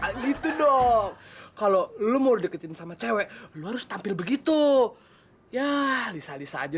nah gitu dong kalo lu mau username sama cewe lo harus tampil begitu yaaa lisa lisa aja yaa